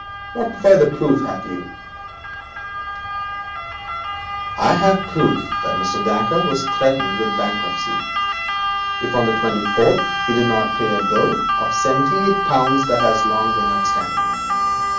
What further proof have you discovered, monsieur?' 'I hold proof that Mr. Dacre was threatened with bankruptcy, if, on the twenty fourth, he did not pay a bill of seventy eight pounds that had been long outstanding.